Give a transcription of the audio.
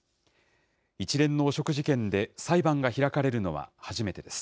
一連の汚職事件で裁判が開かれるのは初めてです。